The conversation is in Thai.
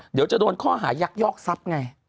เดี๋ยวจะโดนข้อหายักยอกทรัพย์ไง